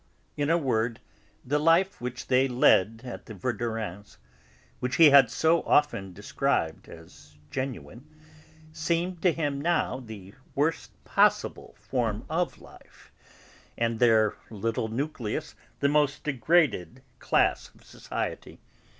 In a word, the life which they led at the Verdurins', which he had so often described as 'genuine,' seemed to him now the worst possible form of life, and their 'little nucleus' the most degraded class of society.